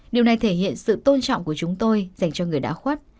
điều này thể hiện sự tôn trọng của chúng tôi dành cho người đã khuất